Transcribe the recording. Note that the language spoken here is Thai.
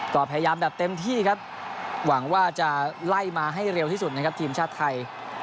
ก็พยายามแบบเต็มที่ครับหวังว่าจะไล่มาให้เร็วที่สุดนะครับทีมชาติไทย